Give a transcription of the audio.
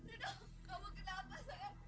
cara ulangan disuruh apa pun